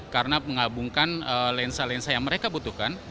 karena menggabungkan lensa lensa yang mereka butuhkan